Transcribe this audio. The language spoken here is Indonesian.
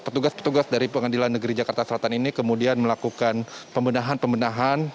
karena itu kemudian petugas petugas dari pengadilan negeri jakarta selatan ini kemudian melakukan pembendahan pembendahan